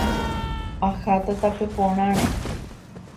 Aháta tape porãre.